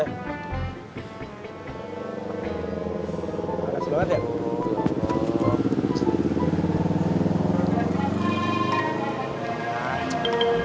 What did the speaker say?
panas banget ya